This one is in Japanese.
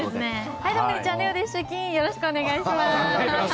よろしくお願いします。